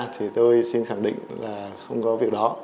thì tôi xin khẳng định là không có việc đó